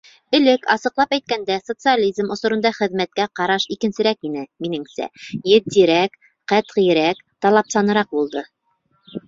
Элек, асыҡлап әйткәндә, социализм осоронда хеҙмәткә ҡараш икенсерәк ине, минеңсә, етдиерәк, ҡәтғиерәк, талапсаныраҡ булды.